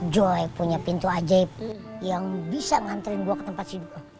joy punya pintu ajaib yang bisa mengantarin gue ke tempat sibuk